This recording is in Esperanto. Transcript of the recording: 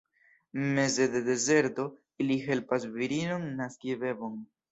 Meze de dezerto, ili helpas virinon naski bebon.